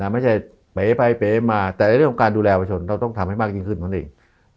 ไม่ใช่เป๋ไปเป๋มาแต่ในเรื่องของการดูแลประชาชนเราต้องทำให้มากยิ่งขึ้นเท่านั้นเอง